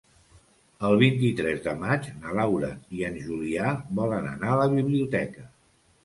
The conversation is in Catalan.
El vint-i-tres de maig na Laura i en Julià volen anar a la biblioteca.